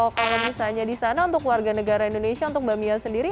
kalau misalnya di sana untuk warga negara indonesia untuk mbak mia sendiri